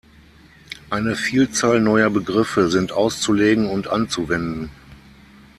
Eine Vielzahl neuer Begriffe sind auszulegen und anzuwenden.